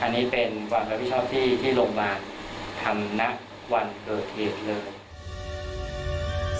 อันนี้เป็นความรับผิดชอบที่ที่โรงพยาบาลทำนักวันโดยเกียรติเลือก